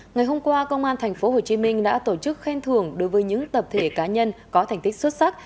ngày hôm qua công an tp hcm đã tổ chức khen thưởng đối với những tập thể cá nhân có thành tích xuất sắc